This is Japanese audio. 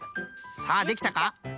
さあできたか？